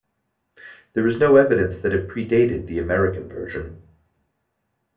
There is no evidence that it predated the American version.